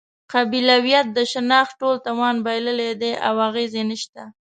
قبیلویت د شناخت ټول توان بایللی دی او اغېز یې نشته.